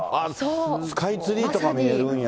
スカイツリーとか見えるんや。